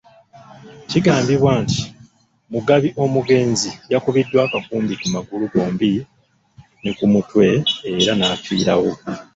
Kigambibwa nti, Mugabi omugenzi yakubiddwa akakumbi ku magulu gombi ne ku mutwe era n'afiirawo.